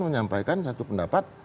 menyampaikan satu pendapat